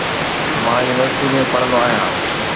مان يونيورسٽي ۾ پڙھندو آھيان